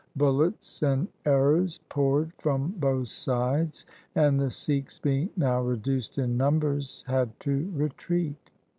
Bullets and arrows poured from both sides, and the Sikhs being now reduced in numbers had to retreat.